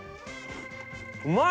うまい！